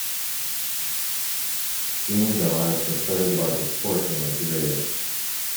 Greenville has the third-largest port in Liberia.